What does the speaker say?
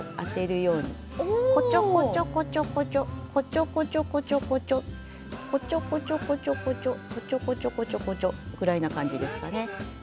こちょこちょこちょこちょこちょこちょこちょこちょこちょこちょこちょこちょこちょこちょこちょこちょぐらいな感じですかね。